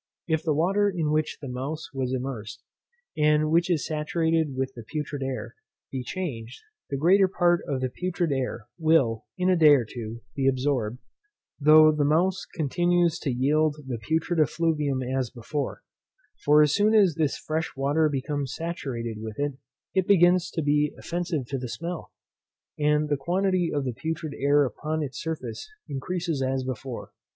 If the water in which the mouse was immersed, and which is saturated with the putrid air, be changed, the greater part of the putrid air, will, in a day or two, be absorbed, though the mouse continues to yield the putrid effluvium as before; for as soon as this fresh water becomes saturated with it, it begins to be offensive to the smell, and the quantity of the putrid air upon its surface increases as before.